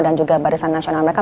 dan juga barisan nasional mereka